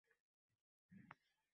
Ko’zlari o’ychan